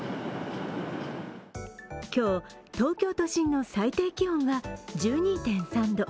今日、東京都心の最低気温は１２．３度。